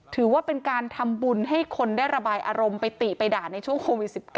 ถือว่าเป็นการทำบุญให้คนได้ระบายอารมณ์ไปติไปด่าในช่วงโควิด๑๙